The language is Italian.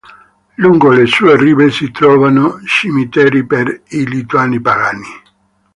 Lungo le sue rive si trovano cimiteri per i lituani pagani.